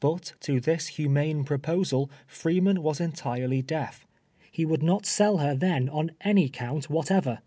But to this humane pi'oposal Freeman was entirely deaf. lie would not sell her then on any account whatever.